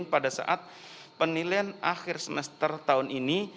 pada saat penilaian akhir semester tahun ini